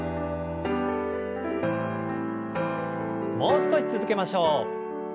もう少し続けましょう。